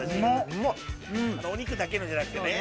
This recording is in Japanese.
お肉だけのじゃなくてね。